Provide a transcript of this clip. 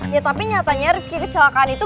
ya tapi nyatanya rifki kecelakaan itu